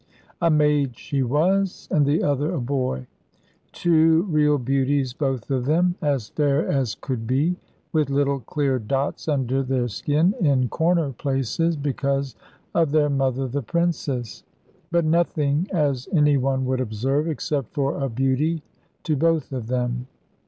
A maid she was, and the other a boy; two real beauties both of them; as fair as could be, with little clear dots under their skin, in corner places, because of their mother the Princess. But nothing as any one would observe, except for a beauty to both of them.